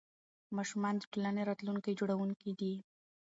ماشومان د ټولنې راتلونکي جوړونکي دي.